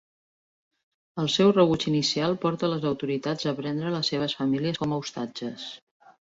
El seu rebuig inicial porta les autoritats a prendre les seves famílies com a ostatges.